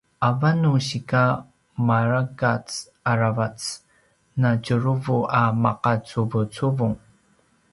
avan nu sika marakac aravac na tjuruvu a maqacuvucuvung